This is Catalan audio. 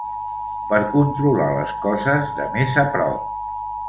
Per controlar les coses de més a prop.